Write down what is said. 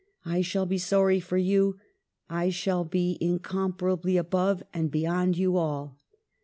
I shall be sorry for you. I shall be incomparably above and beyond you all."